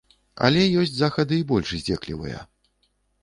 Але ёсць захады і больш здзеклівыя.